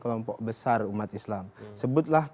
kelompok besar umat islam sebutlah